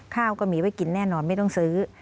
ข้าวก็มีไว้กินแน่นอนไม่ต้องซื้อ